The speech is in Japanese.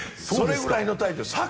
それぐらいのタイトル。